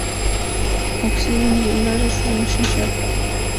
Окси ден еҥгаже шужен шинчат.